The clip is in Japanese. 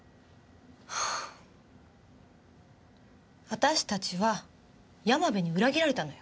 私たちは山部に裏切られたのよ。